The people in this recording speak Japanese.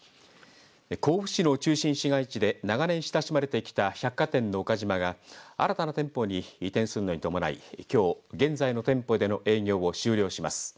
甲府市の中心市街地で長年親しまれてきた百貨店の岡島が新たな店舗に移転するのに伴いきょう、現在の店舗での営業を終了します。